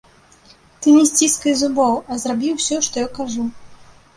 Ты не сціскай зубоў, а зрабі ўсё, што я кажу.